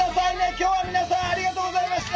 今日は皆さんありがとうございました！